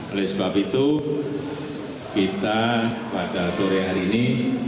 oleh sebab itu kita pada sore hari ini